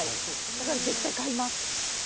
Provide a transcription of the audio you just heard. だから絶対買います。